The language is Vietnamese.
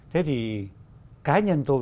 thế thì cá nhân tôi